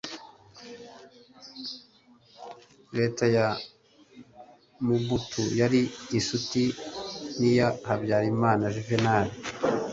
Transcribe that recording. Leta ya Mobutu yari inshuti n'iya Habyarimana Juvénal